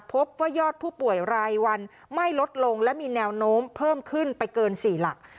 พบว่ายอดผู้ป่วยรายวันไม่ลดลงและมีแนวโน้มเพิ่มขึ้นไปเกิน๔หลัก